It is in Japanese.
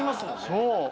そう。